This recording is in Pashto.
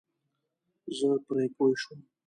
زه پرې پوه شوم.